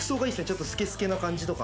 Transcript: ちょっとスケスケな感じとか。